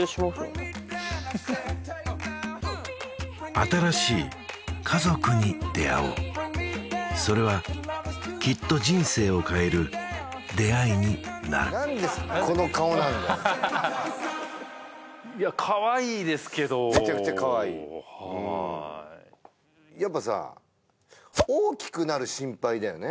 新しい家族に出会おうそれはきっと人生を変える出会いになる何でこの顔なんだよいやかわいいですけどめちゃくちゃかわいいはいやっぱさ大きくなる心配だよね